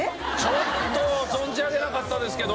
ちょっと存じ上げなかったですけど。